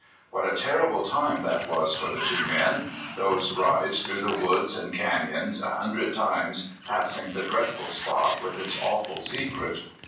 What a terrible time that was lor the two men — those rides through the woods and can3^ons, a hundred times passing the dreadful spot with its awful secret!